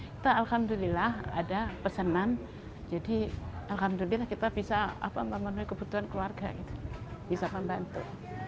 kita alhamdulillah ada pesanan jadi alhamdulillah kita bisa memenuhi kebutuhan keluarga bisa membantu